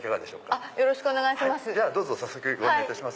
よろしくお願いします。